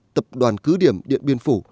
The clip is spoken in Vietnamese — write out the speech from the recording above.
tập đoàn cứ điểm điện biên phủ